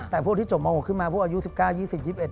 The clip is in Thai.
แต่พวกที่จบม๖ขึ้นมาพวกอายุ๑๙๒๐๒๑